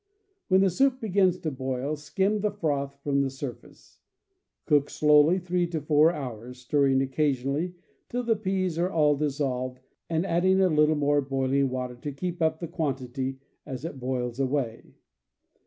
When the soup begins to boil, skim the froth from the surface. Cook slowly three to four hours, stirring occasionally till the peas are all dis CAMP COOKERY 161 solved, and adding a little more boiling water to keep up the quantity as it boils away.